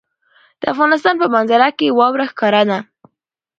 د افغانستان په منظره کې واوره ښکاره ده.